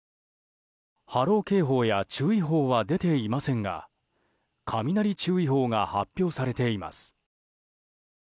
波浪警報や注意報は出ていませんが雷注意報が発表されています。